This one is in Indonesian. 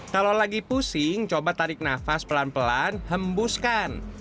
kalau lagi pusing coba tarik nafas pelan pelan hembuskan